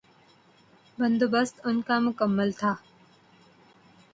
بندوبست ان کا مکمل تھا۔